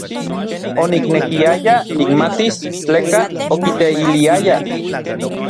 Oniknekiaya nikmatis tlekan okiteiliayaj.